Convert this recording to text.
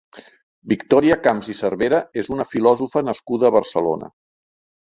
Victòria Camps i Cervera és una filòsofa nascuda a Barcelona.